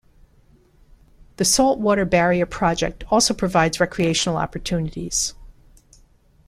The salt water barrier project also provides recreational opportunities.